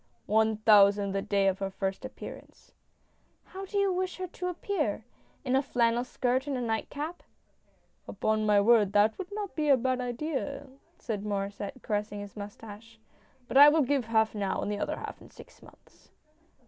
" One thousand the day of her first appearance !" "How do you wish her to appear — in a flannel skirt and a nightcap?" " Upon my word, that would not be a bad idea," said . Mauresset, caressing his moustache. " But I will give half now, and the other half in six months."